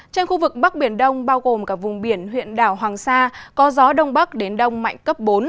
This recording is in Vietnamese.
trên khu vực bắc biển đông bao gồm cả vùng biển huyện đảo hoàng sa có gió đông bắc đến đông mạnh cấp bốn